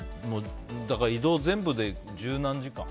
移動全部で十何時間。